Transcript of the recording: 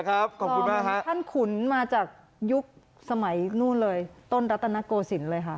หาระทานขุนมาจากยุคสมัยต้นตนทนกโกสินทร์เลยค่ะ